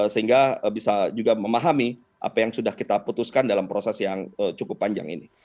sehingga bisa juga memahami apa yang sudah kita putuskan dalam proses yang cukup panjang ini